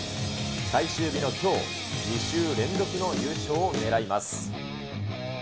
最終日のきょう、２週連続の優勝を狙います。